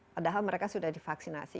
padahal mereka sudah divaksinasi